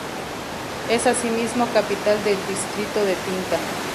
Es asimismo capital del distrito de Tinta.